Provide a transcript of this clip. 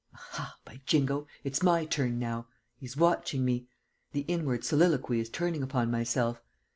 Aha, by Jingo, it's my turn now!... He's watching me.... The inward soliloquy is turning upon myself....